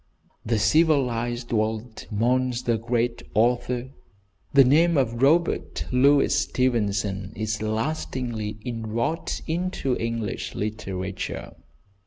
The civilised world mourns the great author. The name of Robert Louis Stevenson is lastingly inwrought into English literature.